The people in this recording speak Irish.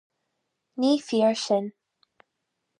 Ní fíor sin.